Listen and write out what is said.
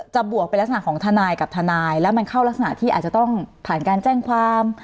บวกเป็นลักษณะของทนายกับทนายแล้วมันเข้ารักษณะที่อาจจะต้องผ่านการแจ้งความ